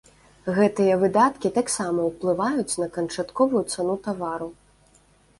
Гэтыя выдаткі таксама ўплываюць на канчатковую цану тавару.